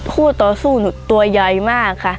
ต่อสู้หนูตัวใหญ่มากค่ะ